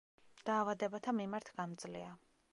დაავადებათა მიმართ გამძლეა.